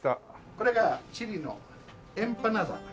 これがチリのエンパナーダ。